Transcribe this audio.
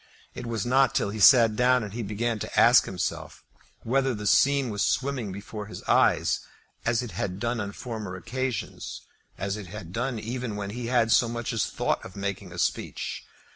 It was not till he sat down that he began to ask himself whether the scene was swimming before his eyes as it had done on former occasions; as it had done even when he had so much as thought of making a speech.